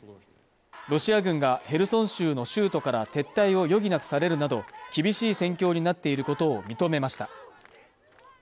ロシア軍がヘルソン州の州都から撤退を余儀なくされるなど厳しい戦況になっていることを認めました